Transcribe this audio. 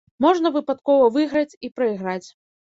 Можна выпадкова выйграць і прайграць.